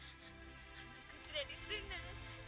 ulang aja dulu bu